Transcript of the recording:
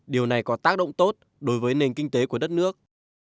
điều này có tác động tốt đối với nền kinh tế của đất nước